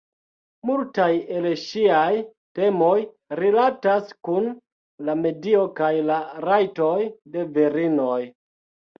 Multaj el ŝiaj temoj rilatas kun la medio kaj la rajtoj de virinoj.